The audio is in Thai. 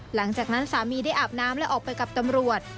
หลังจากนั้นสามีได้อาบน้ำและออกไปกับตำรวจ